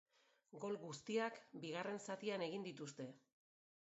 Gol guztiak bigarren zatian egin dituzte.